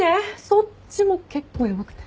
そっちも結構ヤバくて。